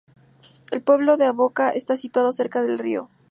El pueblo de Avoca está situado cerca al río.